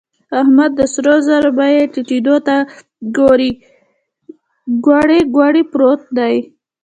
احمد د سرو زرو بيې ټيټېدو ته کوړۍ کوړۍ پروت دی.